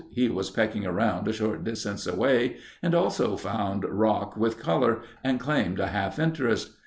He was pecking around a short distance away and also found rock with color and claimed a half interest.